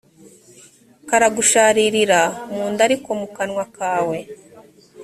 karagusharirira mu nda ariko mu kanwa kawe